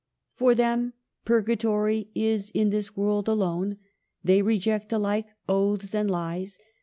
" For them purgatory is in this world alone. They reject alike oaths and lies.